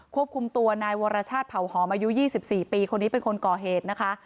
ควบคุมตัวนายวรชาติเผาหอมอายุ๒๔ปีคนนี้เป็นคนก่อเหตุนะคะ